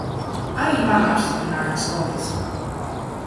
Arī man apstiprinājās kovids.